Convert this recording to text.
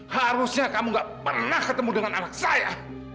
harusnya kamu gak pernah ketemu dengan anak saya